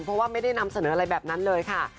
เพราะว่าไม่ได้นำเสนออะไรแบบนั้นเลยค่ะ